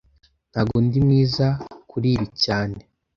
Ntago ndi mwiza kuri ibi cyane